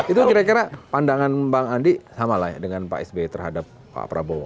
itu kira kira pandangan bang andi sama lah ya dengan pak sby terhadap pak prabowo